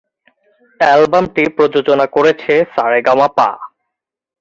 অ্যালবামটি প্রযোজনা করেছে সা রে গা মা।